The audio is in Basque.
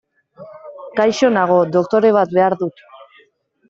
Gaixo nago, doktore bat behar dut.